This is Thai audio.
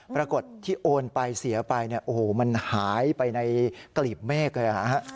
ปรากฏที่โอนไปเสียไปมันหายไปในกลีบเมฆเลย